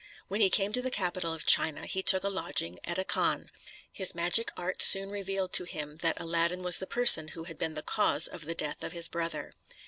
When he came to the capital of China, he took a lodging at a khan. His magic art soon revealed to him that Aladdin was the person who had been the cause of the death of his brother.